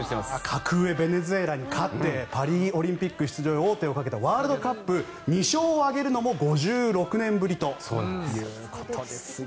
格上のベネズエラに勝ってパリオリンピックに王手をかけたワールドカップ２勝を挙げるのも５６年ぶりということですよ。